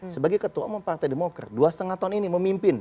sebagai ketua umum partai demokrat dua lima tahun ini memimpin